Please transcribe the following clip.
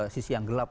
sisi yang gelap